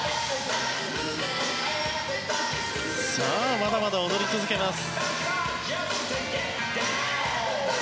まだまだ踊り続けます。